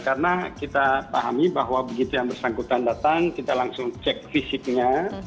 karena kita pahami bahwa begitu yang bersangkutan datang kita langsung cek fisiknya